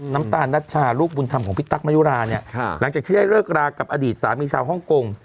น้ำตาลนัชชาลูกบุญธรรมของพี่ตั๊กมายุราเนี่ยหลังจากที่ได้เลิกรากับอดีตสามีชาวฮ่องกง